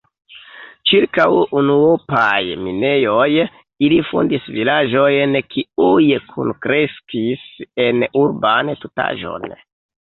Ĉirkaŭ unuopaj minejoj ili fondis vilaĝojn, kiuj kunkreskis en urban tutaĵon.